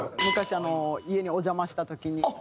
昔家にお邪魔した時に。